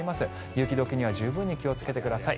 雪解けには十分気をつけてください。